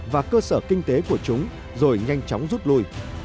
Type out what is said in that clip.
và cơ sở kinh tế của chúng rồi nhanh chóng rút lui